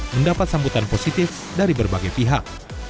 mendapat sambutan positif dari berbagai pihak